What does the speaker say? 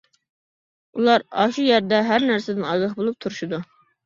ئۇلار ئاشۇ يەردە ھەر نەرسىدىن ئاگاھ بولۇپ تۇرۇشىدۇ.